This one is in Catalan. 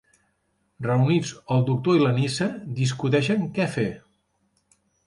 Reunits, el doctor i la Nyssa discuteixen què fer.